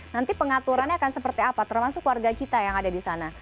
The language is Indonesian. nanti pengaturannya akan seperti apa termasuk warga kita yang ada di sana